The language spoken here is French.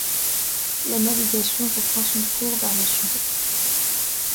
La navigation reprend son cours vers le sud.